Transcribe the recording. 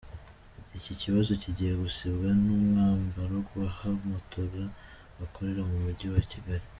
Iki kibazo kigiye gusubizwa n’umwambaro w’abamotari bakorera mu mujyi wa Kigali.